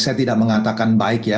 saya tidak mengatakan baik ya